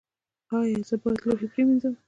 ایا زه باید لوښي پریمنځم؟